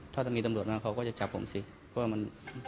ถ้าจะมีตำรวจมาเขาก็จะจับผมสิเพราะว่ามัน